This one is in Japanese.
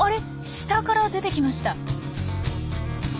下から出てきました。